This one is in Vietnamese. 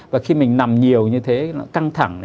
và khi mình nằm nhiều như thế nó căng thẳng